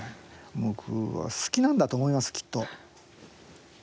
僕は、好きなんだと思いますきっと。